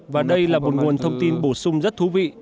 và đây là một nguồn thông tin bổ sung rất thú vị